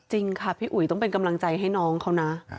จริงค่ะพี่อุ๋ยต้องเป็นกำลังใจให้น้องเขานะ